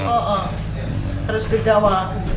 oh harus ke jawa